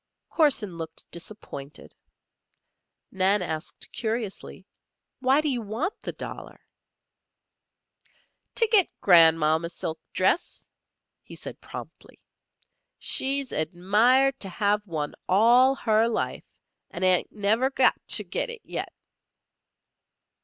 Corson looked disappointed. Nan asked, curiously: "Why do you want the dollar?" "To git Gran'mom a silk dress," he said promptly. "She's admired to have one all her life, and ain't never got to git it yet."